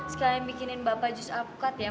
sekalian bikinin bapak jus alpukat ya